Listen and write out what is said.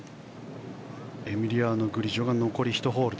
エミリアノ・グリジョは残り１ホール。